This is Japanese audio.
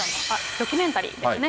ドキュメンタリーですね。